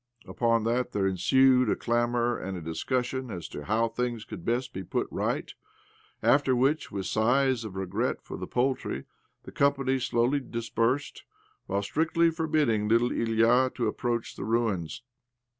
Upon that there ensued a clamour and a discussion as to how things could best be put right ; after which, with sighs of regret for the poultry, the company slowly dispersed, while strictly forbidding little Ilya to approach the ruins.